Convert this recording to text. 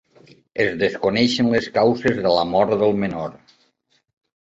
Es desconeixen les causes de la mort del menor